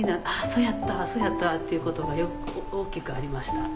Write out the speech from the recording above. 「そうやったそうやったわ」っていうことが大きくありました。